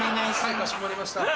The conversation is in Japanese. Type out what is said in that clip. かしこまりました。